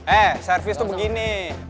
eh servis tuh begini